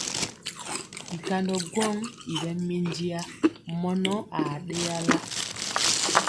Bikandɔ gwɔŋ i ɓɛ minjiya mɔnɔ a ɗeyala.